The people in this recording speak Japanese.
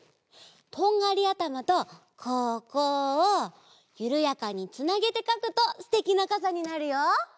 とんがりあたまとここをゆるやかにつなげてかくとすてきなかさになるよ。